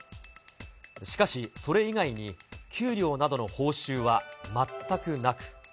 しかしそれ以外に給料などの報酬は全くなく。